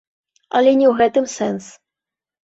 Але не ў гэтым сэнс.